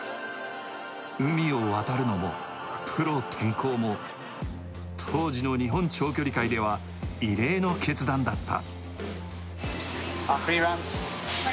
海を渡るのもプロ転向も当時の日本長距離界では異例の決断だった。